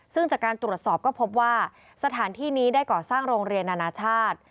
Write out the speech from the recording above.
ซึ่งจากการตรวจสอบก็พบว่าสถานที่นี้ได้ก่อสร้างโรงเรียนนานาชาติ